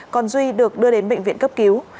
còn duy được đưa đến bệnh viện cấp cứu